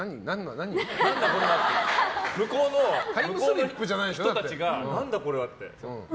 向こうの人たちが何だこれはって。